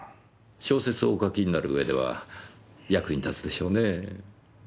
小説をお書きになるうえでは役に立つでしょうねぇ。